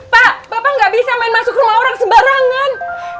pak bapak gak bisa main masuk rumah orang sebarangan